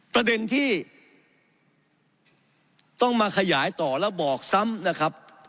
ประเด็นที่ต้องมาขยายต่อแล้วบอกซ้ำนะครับ